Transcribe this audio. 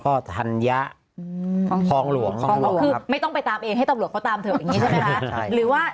ก็ธัญะคลองหลวงไม่ต้องไปตามเองให้ตำรวจเขาตามเถอะหรือว่า